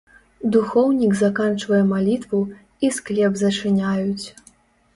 Духоўнік заканчвае малітву, і склеп зачыняюць.